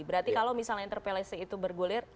berarti kalau misalnya interpelasi itu bergulir